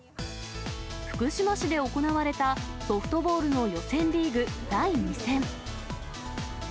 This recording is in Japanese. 福島市で行われたソフトボールの予選リーグ第２戦。